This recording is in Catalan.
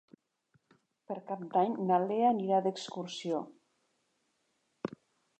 Per Cap d'Any na Lea anirà d'excursió.